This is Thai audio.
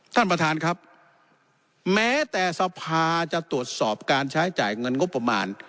ท่านประธานครับแม้แต่สภาจะตรวจสอบการใช้จ่ายเงินงบประมาณ